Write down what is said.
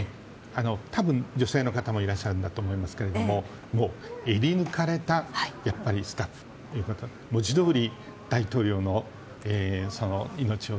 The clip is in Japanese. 多分、女性の方もいらっしゃると思いますがえり抜かれたスタッフということで文字どおり、大統領の命を。